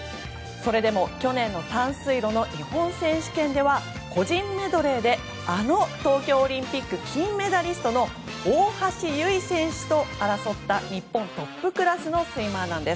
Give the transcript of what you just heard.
それでも去年の短水路の日本選手権では個人メドレーであの東京オリンピック金メダリストの大橋悠依選手と争った日本トップクラスのスイマー。